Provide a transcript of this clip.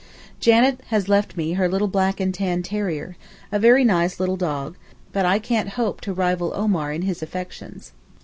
Janet has left me her little black and tan terrier, a very nice little dog, but I can't hope to rival Omar in his affections.